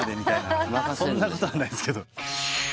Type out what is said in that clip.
そんなことはないですけど。